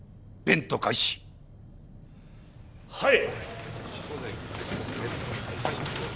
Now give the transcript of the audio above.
はい！